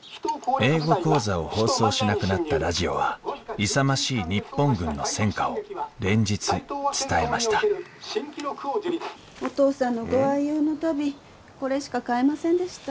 英語講座を放送しなくなったラジオは勇ましい日本軍の戦果を連日伝えましたお義父さんのご愛用の足袋これしか買えませんでした。